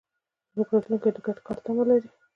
زموږ راتلونکی د ګډ کار تمه لري.